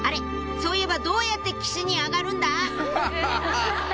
そういえばどうやって岸に上がるんだ？